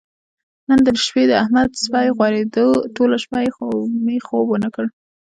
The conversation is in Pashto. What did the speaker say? نن د شپې د احمد سپی غورېدو ټوله شپه یې مې خوب ونه کړ.